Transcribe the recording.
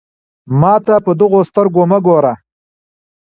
ما ته په دغو سترګو مه ګوره.